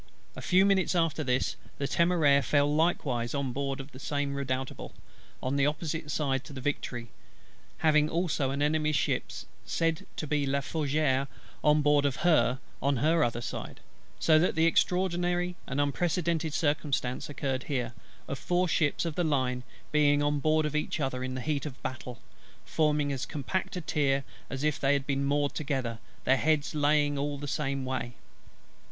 A few minutes after this, the Temeraire fell likewise on board of the Redoutable, on the side opposite to the Victory; having also an Enemy's ship, said to be La Fougueux, on board of her on her other side: so that the extraordinary and unprecedented circumstance occurred here, of four ships of the line being on board of each other in the heat of battle; forming as compact a tier as if they had been moored together, their heads lying all the same way.